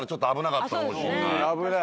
危ない。